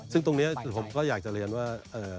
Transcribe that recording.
ซึ่งตรงนี้ผมก็อยากจะเรียนว่า